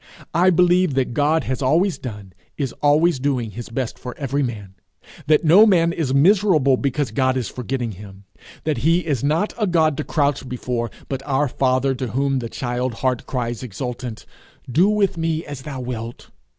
I believe that God has always done, is always doing his best for every man; that no man is miserable because God is forgetting him; that he is not a God to crouch before, but our father, to whom the child heart cries exultant, 'Do with me as thou wilt.'